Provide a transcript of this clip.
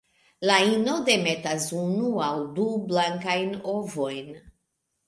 La ino demetas unu aŭ du blankajn ovojn.